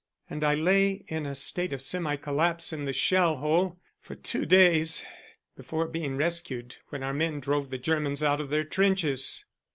And I lay in a state of semi collapse in the shell hole for two days before being rescued when our men drove the Germans out of their trenches."